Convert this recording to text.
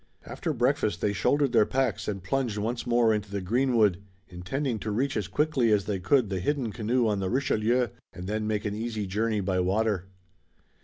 After breakfast they shouldered their packs and plunged once more into the greenwood, intending to reach as quickly as they could the hidden canoe on the Richelieu, and then make an easy journey by water.